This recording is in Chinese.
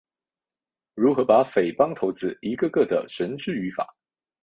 如何把匪帮头子一个个地绳之于法？